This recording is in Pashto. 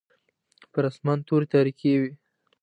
پر اسمان توري تاریکې وې.